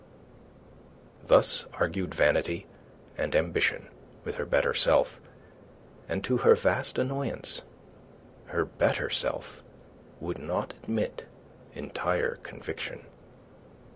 Thus argued vanity and ambition with her better self and to her vast annoyance her better self would not admit entire conviction.